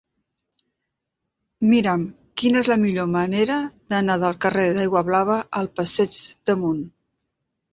Mira'm quina és la millor manera d'anar del carrer d'Aiguablava al passeig d'Amunt.